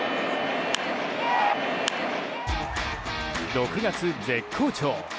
６月絶好調。